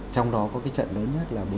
trong đó có cái trận lớn nhất là bốn bảy